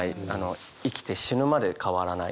生きて死ぬまで変わらない。